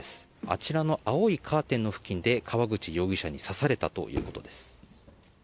あちらの青いカーテンの付近で川口容疑者に刺されたということです。